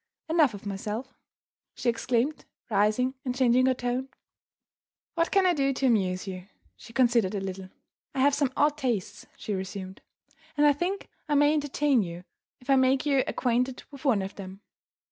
Enough of myself!" she exclaimed, rising and changing her tone. "What can I do to amuse you?" She considered a little. "I have some odd tastes," she resumed; "and I think I may entertain you if I make you acquainted with one of them.